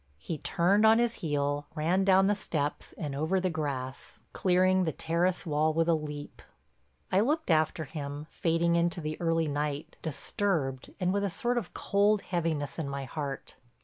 He turned on his heel, ran down the steps and over the grass, clearing the terrace wall with a leap. I looked after him, fading into the early night, disturbed and with a sort of cold heaviness in my heart.